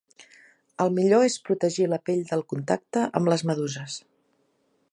El millor és protegir la pell del contacte amb les meduses.